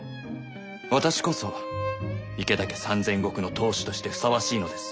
私こそ池田家３千石の当主としてふさわしいのです。